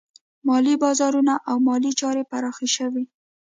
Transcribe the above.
مالي بازارونه او مالي چارې پراخه شوې.